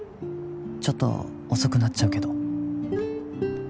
「ちょっと遅くなっちゃうけど」